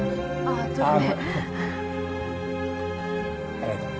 ありがとう。